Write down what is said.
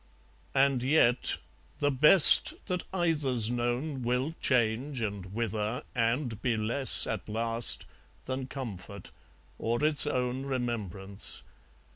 ... And yet the best that either's known Will change, and wither, and be less, At last, than comfort, or its own Remembrance.